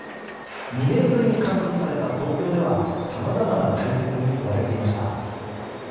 ２年ぶりに観測された東京ではさまざまな対策に追われていました。